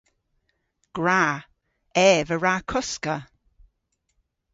Gwra. Ev a wra koska.